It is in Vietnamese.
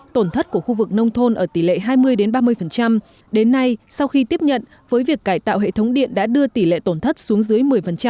tổn thất của khu vực nông thôn ở tỷ lệ hai mươi ba mươi đến nay sau khi tiếp nhận với việc cải tạo hệ thống điện đã đưa tỷ lệ tổn thất xuống dưới một mươi